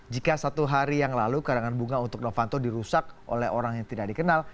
jika satu hari yang lalu karangan bunga untuk novanto dirusak oleh orang yang tidak dikenal